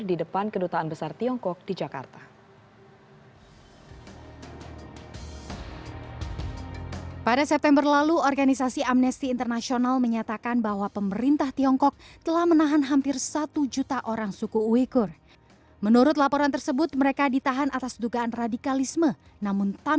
di depan kedutaan besar tiongkok di jakarta